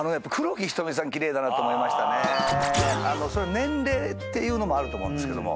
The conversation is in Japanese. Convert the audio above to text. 年齢っていうのもあると思うんですけども。